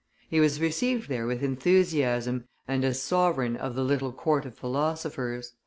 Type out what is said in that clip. He was received there with enthusiasm and as sovereign of the little court of philosophers.